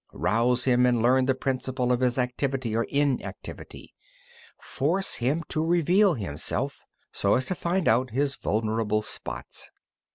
23. Rouse him, and learn the principle of his activity or inactivity. Force him to reveal himself, so as to find out his vulnerable spots.